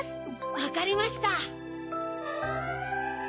わかりました。